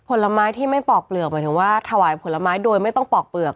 ผลไม้ที่ไม่ปอกเปลือกหมายถึงว่าถวายผลไม้โดยไม่ต้องปอกเปลือก